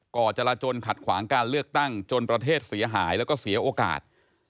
่อจราจนขัดขวางการเลือกตั้งจนประเทศเสียหายแล้วก็เสียโอกาส